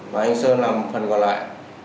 và anh sơn là một phần còn lại